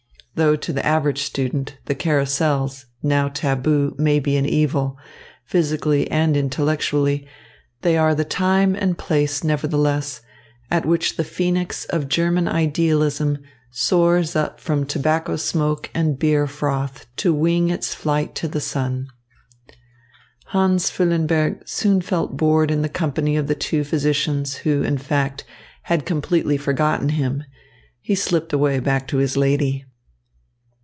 Though to the average student the carousals, now taboo, may be an evil, physically and intellectually, they are the time and place, nevertheless, at which the phoenix of German idealism soars up from tobacco smoke and beer froth to wing its flight to the sun. Hans Füllenberg soon felt bored in the company of the two physicians who, in fact, had completely forgotten him; and he slipped away, back to his lady.